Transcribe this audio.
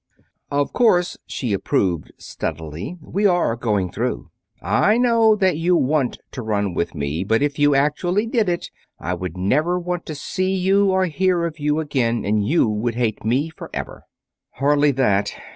"Of course," she approved steadily. "We are going through. I know that you want to run with me, but if you actually did it I would never want to see you or hear of you again, and you would hate me forever." "Hardly that."